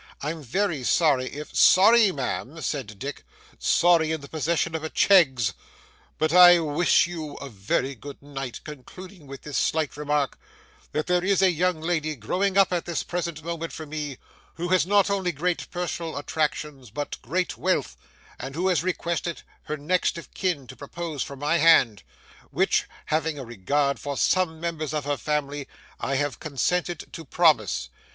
'I'm very sorry if ' 'Sorry, Ma'am!' said Dick, 'sorry in the possession of a Cheggs! But I wish you a very good night, concluding with this slight remark, that there is a young lady growing up at this present moment for me, who has not only great personal attractions but great wealth, and who has requested her next of kin to propose for my hand, which, having a regard for some members of her family, I have consented to promise.